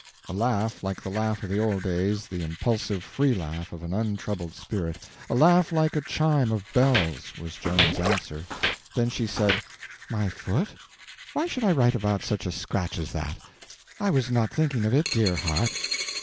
A laugh like the laugh of the old days, the impulsive free laugh of an untroubled spirit, a laugh like a chime of bells, was Joan's answer; then she said: "My foot? Why should I write about such a scratch as that? I was not thinking of it, dear heart."